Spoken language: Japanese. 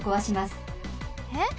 えっ？